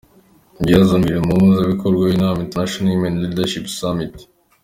Igihozo Miley umuhuzabikorwa w'inama 'International Women Leadership Summit' .